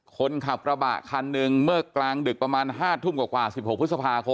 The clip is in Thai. คนขับกระบะคันหนึ่งเมื่อกลางดึกประมาณ๕ทุ่มกว่า๑๖พฤษภาคม